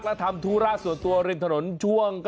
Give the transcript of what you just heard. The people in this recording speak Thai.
และทำธุระส่วนตัวริมถนนช่วง